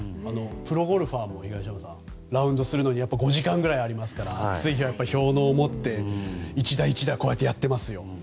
プロゴルファーもラウンドするのに５時間くらいありますから暑い日は氷のうを持って１打１打やってますよ。